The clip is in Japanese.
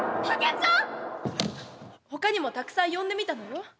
ほかにもたくさん呼んでみたのよ。